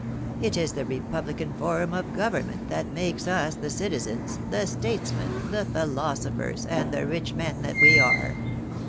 It is the republican form of government that makes us the citizens, the statesmen, the philosophers, and the rich men that we are.